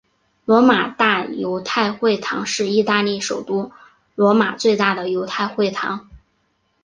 罗马大犹太会堂是意大利首都罗马最大的犹太会堂。